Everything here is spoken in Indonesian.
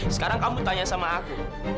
sekarang kamu tanya sama aku